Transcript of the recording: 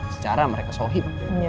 secara mereka sohib